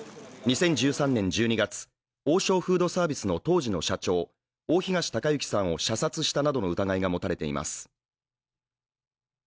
２０１３年１２月、王将フードサービスの当時の社長、大東隆行さんを射殺したなどの疑いが持たれています。